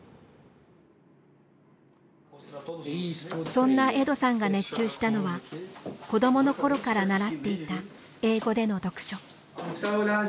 そんなエドさんが熱中したのは子どもの頃から習っていた英語での読書。